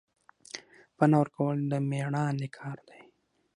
پنا ورکول د میړانې کار دی